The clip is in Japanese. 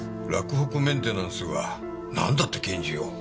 洛北メンテナンスはなんだって拳銃を？